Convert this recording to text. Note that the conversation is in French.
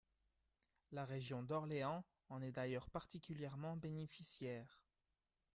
La région d’Orléans en est d’ailleurs particulièrement bénéficiaire.